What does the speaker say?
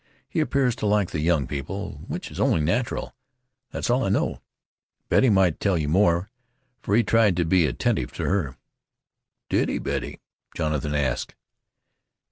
He appears to like the young people, which is only natural. That's all I know; Betty might tell you more, for he tried to be attentive to her." "Did he, Betty?" Jonathan asked.